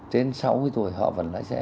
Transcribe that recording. trên sáu mươi tuổi họ vẫn lái xe